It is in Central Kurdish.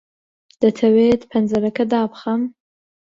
دەتەوێت پەنجەرەکە دابخەم؟